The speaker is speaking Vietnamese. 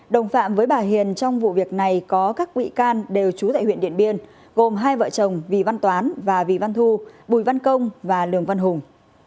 đồng phạm với bà hiền trong vụ việc này có các bị can đều trú tại huyện điện biên gồm hai vợ chồng vì văn toán và vì văn thu bùi văn công và lường văn hùng